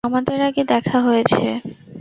কিন্তু আমাদের আগে দেখা হয়েছে।